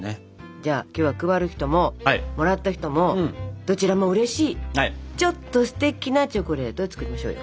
じゃあ今日は配る人ももらった人もどちらもうれしいちょっとステキなチョコレートを作りましょうよ。